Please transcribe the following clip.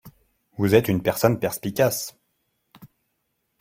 Vous êtes une personne perspicace.